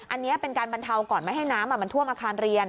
อันนี้เป็นการบรรเทาก่อนไม่ให้น้ำมันท่วมอาคารเรียน